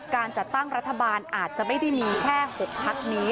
การจัดตั้งรัฐบาลอาจจะไม่ได้มีแค่๖พักนี้